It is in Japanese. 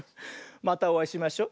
またおあいしましょ。